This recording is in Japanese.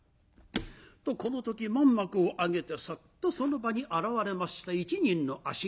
とこの時まん幕を上げてサッとその場に現れました一人の足軽。